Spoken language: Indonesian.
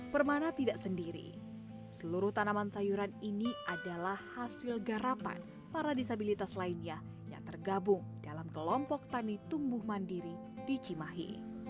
permana tidak sendiri seluruh tanaman sayuran ini adalah hasil garapan para disabilitas lainnya yang tergabung dalam kelompok tani tumbuh mandiri di cimahi